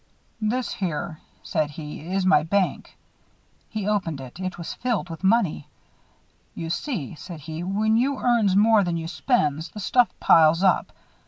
"This here," said he, "is my bank." He opened it. It was filled with money. "You see," said he, "when you earns more than you spends, the stuff piles up.